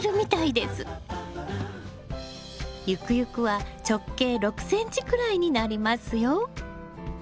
ゆくゆくは直径６ｃｍくらいになりますよ。